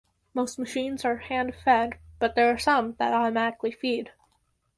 Most machines are hand-fed, but there are some that automatically feed.